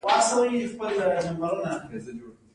د غرونو منځ کې ځینې ځمکې حاصلخیزې وي.